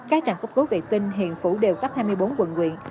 các trạm cấp cứu vệ tinh hiện phủ đều cấp hai mươi bốn quận nguyện